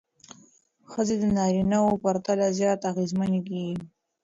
ښځې د نارینه وو پرتله زیات اغېزمنې کېږي.